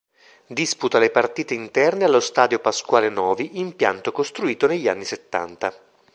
Disputa le partite interne allo Stadio Pasquale Novi, impianto costruito negli anni settanta.